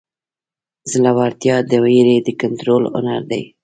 زړهورتیا د وېرې د کنټرول هنر دی.